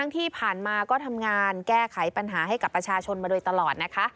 ที่ผ่านมาก็ทำงานแก้ไขปัญหาให้กับประชาชนมาโดยตลอดนะคะ